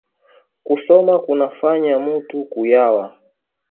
Kusoma kuna fanya mutu ku yuwa